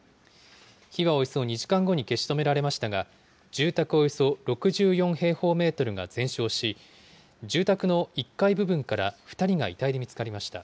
火はおよそ２時間後に消し止められましたが、住宅およそ６４平方メートルが全焼し、住宅の１階部分から２人が遺体で見つかりました。